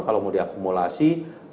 kalau mau diakumulasi